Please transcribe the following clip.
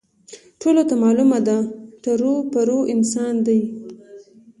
ټولو ته معلوم دی، ټرو پرو انسان دی.